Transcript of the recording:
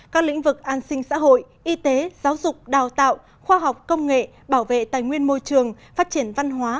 các lĩnh vực an sinh xã hội y tế giáo dục đào tạo khoa học công nghệ bảo vệ tài nguyên môi trường phát triển văn hóa